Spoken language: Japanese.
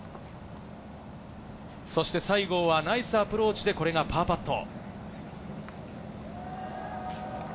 そして西郷はナイスアプローチでこれがパーパット。